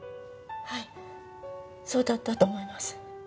はいそうだったと思います。